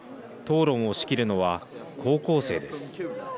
討論を仕切るのは高校生です。